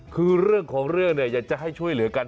คือเรื่องของเรื่องเนี่ยอยากจะให้ช่วยเหลือกัน